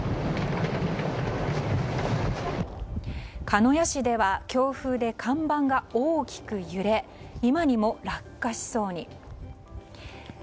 鹿屋市では強風で看板は大きく揺れ今にも落下しそうに。